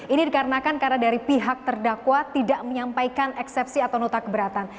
ini dikarenakan karena dari pihak terdakwa tidak menyampaikan eksepsi atau nota keberatan